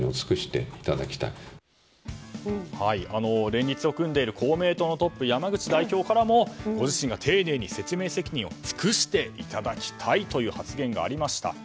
連立を組んでいる公明党のトップ山口代表からもご自身が丁寧に説明責任を尽くしていただきたいという発言がありました。